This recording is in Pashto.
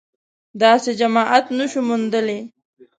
داسې جماعت نه شو موندلای